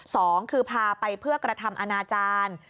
สองคือพาไปเพื่อกระทำอนาจารย์